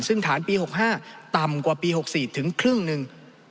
ซึ่งฐานปี๖๕ต่ำกว่าปี๖๔ถึงครึ่งหนึ่ง